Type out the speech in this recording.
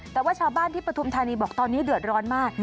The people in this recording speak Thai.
แต่ว่าชาวบ้านที่ปฐุมธานีบอกตอนนี้เดือดร้อนมาก